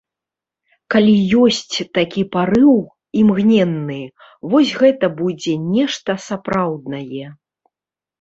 Калі ёсць такі парыў, імгненны, вось гэта будзе нешта сапраўднае.